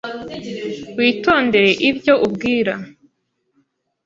Witondere ibyo ubwira .